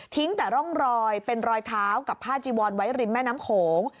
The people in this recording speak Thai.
แต่ร่องรอยเป็นรอยเท้ากับผ้าจีวอนไว้ริมแม่น้ำโขง